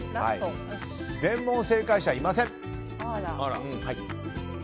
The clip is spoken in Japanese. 全問正解者いません。